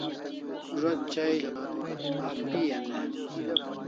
Zo't chai ape'an e?